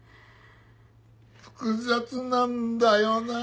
複雑なんだよな